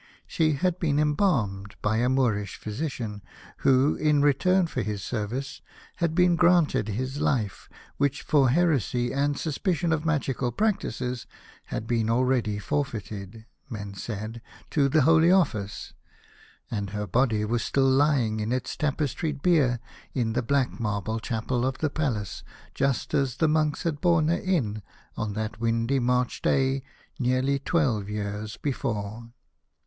She had been embalmed by a Moorish physician, who in return for this service had been granted his life, which for heresy and suspicion of magical practices had been already forfeited, men said, to the Holy Office, and her body was still lying on its tapestried bier in the black marble chapel of the Palace, just as the monks had borne her in on that windy March day nearly twelve years before.